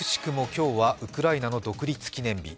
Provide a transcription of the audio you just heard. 今日はウクライナの独立記念日。